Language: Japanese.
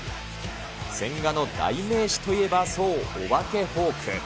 千賀の代名詞といえば、そう、お化けフォーク。